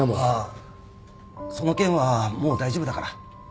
あっその件はもう大丈夫だから